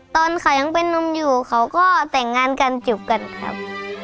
ตอนเขายังเป็นนุ่มอยู่เขาก็แต่งงานกันจบกันครับ